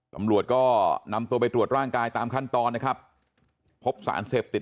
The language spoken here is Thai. ตำรวจก็นำตัวไปตรวจร่างกายตามขั้นตอนนะครับพบสารเสพติด